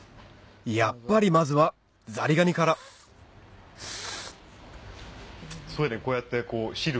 やっぱりまずはザリガニからほぉ。